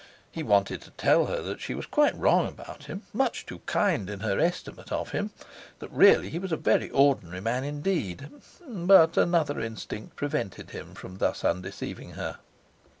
He wanted to tell her that she was quite wrong about him, much too kind in her estimate of him that really he was a very ordinary man indeed. But another instinct prevented him from thus undeceiving her.